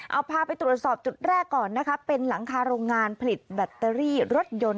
เอาพาไปตรวจสอบจุดแรกก่อนนะคะเป็นหลังคาโรงงานผลิตแบตเตอรี่รถยนต์